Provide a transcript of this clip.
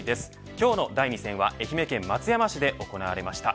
今日の第２戦は愛媛県松山市で行われました。